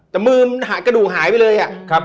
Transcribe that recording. แต่มือมันหากระดูกหายไปเลยอะ